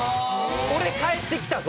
「俺帰ってきたぞ！」